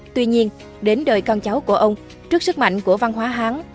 tuy nhiên đến đời con cháu của ông trước sức mạnh của văn hóa hán